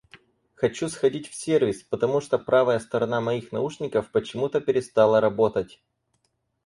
Хочу сходить в сервис, потому что правая сторона моих наушников почему-то перестала работать.